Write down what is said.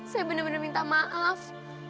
saya bener bener minta maaf